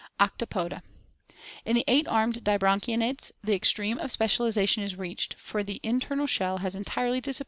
*. Octopoda. — In the eight armed 5 dibranchiates the extreme of spec I ialization is reached, for the in s ternal shell has entirely disap